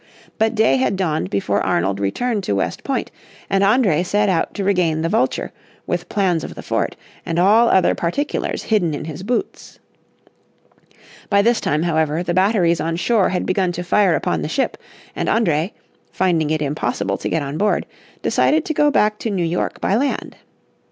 But day had dawned before Arnold returned to West Point, and André set out to regain the Vulture, with plans of the fort, and all other particulars hidden in his boots. By this time, however, the batteries on shore had begun to fire upon the ship, and André, finding it impossible to get on board, decided to go back to New York by land.